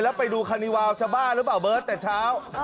แล้วไปดูคานิวาวชาวบ้านหรือเปล่าเบิร์ตแต่เช้า